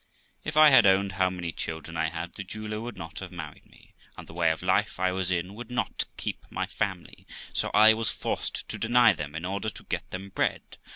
If I had owned how many children I had, the jeweller would not have married me, and the way of life I was in would not keep my family, so I was forced to deny them in order to get them bread.